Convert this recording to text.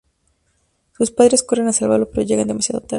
Sus padres corren a salvarlo pero llegan demasiado tarde.